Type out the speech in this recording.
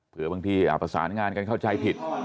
เพื่อบางทีประสานงานกันเข้าใจผิด